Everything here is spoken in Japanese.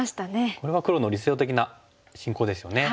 これは黒の理想的な進行ですよね。